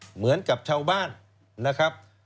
เหมือนกับชาวบ้านนะครับ